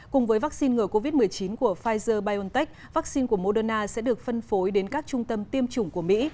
cùng với vaccine ngừa covid một mươi chín của pfizer biontech vaccine của moderna sẽ được phân phối đến các trung tâm tiêm chủng của mỹ